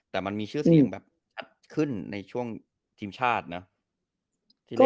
แต่มันมีชื่อเสียงแบบอัดขึ้นในช่วงทีมชาตินะ